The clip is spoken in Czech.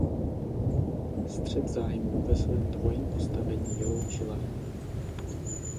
Střet zájmů ve svém dvojím postavení vyloučila.